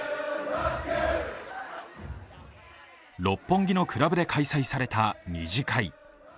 六本木のクラブで開催された２次会。